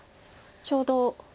ちょうど。